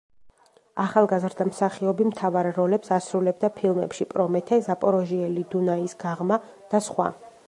ახალგაზრდა მსახიობი მთავარ როლებს ასრულებდა ფილმებში: „პრომეთე“, „ზაპოროჟიელი დუნაის გაღმა“ და სხვა.